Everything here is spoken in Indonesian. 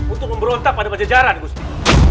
untuk memberontak pada pajajaran gusti